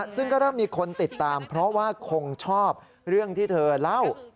ซึ่งก็เริ่มมีคนติดตามเพราะว่าคงชอบเรื่องที่เธอเล่า